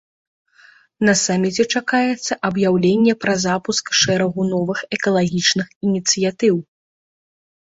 На саміце чакаецца аб'яўленне пра запуск шэрагу новых экалагічных ініцыятыў.